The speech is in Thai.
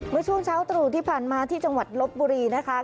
เมื่อช่วงเช้าตรู่ที่ผ่านมาที่จังหวัดลบบุรีนะคะ